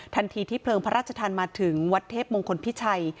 ทันทีที่เพลิงพระราชทันมาถึงวัดเทพมงคลพิชัย